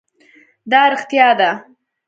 دا رښتیا ده.